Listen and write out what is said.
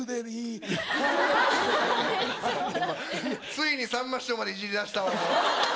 ついにさんま師匠までいじりだしたわもう。